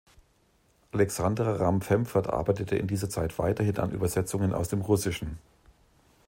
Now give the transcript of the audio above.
Alexandra Ramm-Pfemfert arbeitete in dieser Zeit weiterhin an Übersetzungen aus dem Russischen.